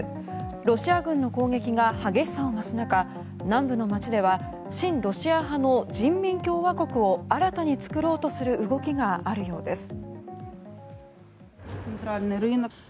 ロシア軍の攻撃が激しさを増す中南部の街では親ロシア派の人民共和国を新たに作ろうとする動きがあるようです。